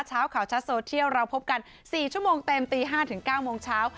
เช้าข่าวชัดโซเทียลเราพบกัน๔ชั่วโมงเต็มตี๕ถึง๙โมงเช้า